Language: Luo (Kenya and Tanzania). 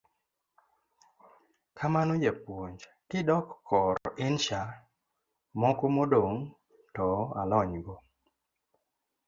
Kamano japuonj, kidok kor insha, moko modong' to alony godo.